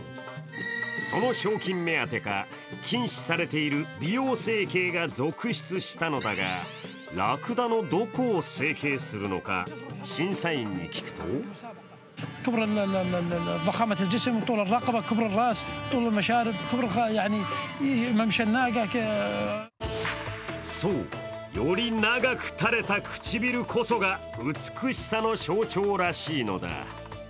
その賞金目当てか、禁止されている美容整形が続出したのだがラクダのどこを整形するのか、審査員に聞くとそう、より長く垂れた唇こそが美しさの象徴らしいのだ。